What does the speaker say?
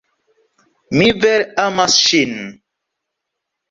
Mi vere amas ŝin.